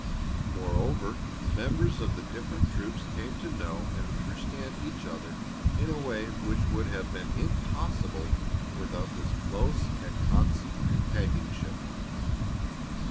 Moreover, members of the different troops came to know and understand each other in a way which would have been impossible without this close and constant companionship.